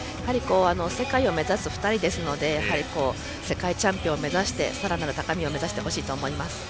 世界を目指す２人ですので世界チャンピオンを目指してさらなる高みを目指してほしいと思います。